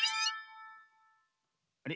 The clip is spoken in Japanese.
あれ？